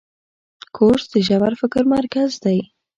کورس د ژور فکر مرکز دی.